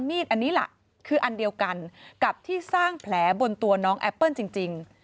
มีดอันนี้ล่ะคืออันเดียวกันกับที่สร้างแผลบนตัวน้องแอปเปิ้ลจริง